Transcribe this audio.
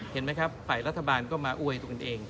เห็นไหมครับฝ่ายรัฐบาลก็มาอวยตัวกันเอง